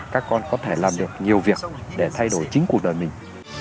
các con có thể làm được nhiều việc để thay đổi chính cuộc đời mình